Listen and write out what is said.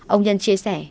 ông nhân chia sẻ